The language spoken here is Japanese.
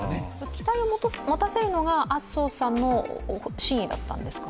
期待を持たせるのが麻生さんの真意だったんですか。